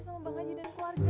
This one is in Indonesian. sama bang haji dan keluarga